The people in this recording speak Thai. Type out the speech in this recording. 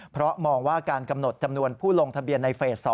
เพราะมองว่าการกำหนดจำนวนผู้ลงทะเบียนในเฟส๒